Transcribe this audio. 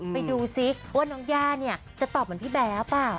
ไปดูซิว่าน้องย่าเนี่ยจะตอบเหมือนพี่แบร์หรือเปล่า